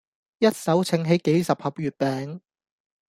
一手掅起幾十盒月餅